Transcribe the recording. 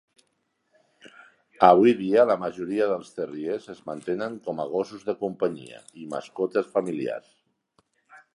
Avui dia, la majoria dels terriers es mantenen com a gossos de companyia i mascotes familiars.